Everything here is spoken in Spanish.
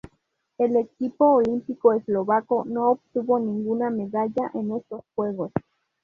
El equipo olímpico eslovaco no obtuvo ninguna medalla en estos Juegos.